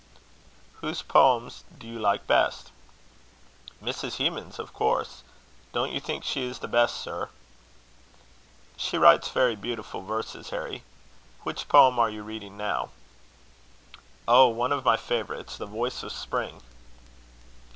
"Whose poems do you like best?" "Mrs. Hemans's, of course. Don't you think she is the best, sir?" "She writes very beautiful verses, Harry. Which poem are you reading now?" "Oh! one of my favourites The Voice of Spring."